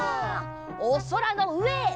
おそらのうえへ。